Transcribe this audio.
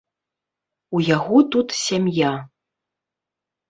У яго тут сям'я.